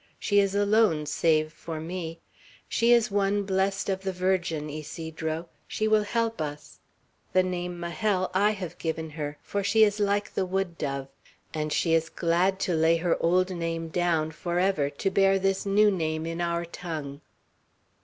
She is alone, save for me. She is one blessed of the Virgin, Ysidro. She will help us. The name Majel I have given her, for she is like the wood dove; and she is glad to lay her old name down forever, to bear this new name in our tongue."